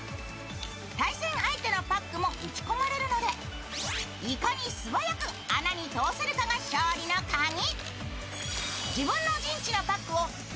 対戦相手のパックも打ち込まれるので、いかに素早く穴に通せるかが勝利のカギ。